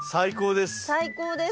最高です。